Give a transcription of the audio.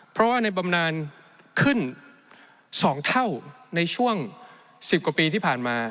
เพราะว่าในบำนานขึ้น๒เท่าในช่วง๑๐กว่าปีที่ผ่านมา